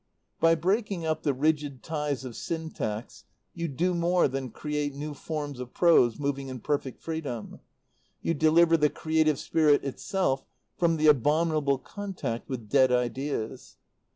By breaking up the rigid ties of syntax, you do more than create new forms of prose moving in perfect freedom, you deliver the creative spirit itself from the abominable contact with dead ideas.